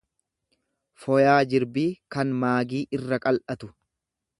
foyaa jirbii kan maagii irra qal'atu.